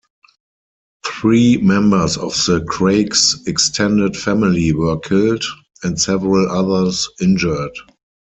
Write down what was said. Three members of the Craiggs' extended family were killed, and several others injured.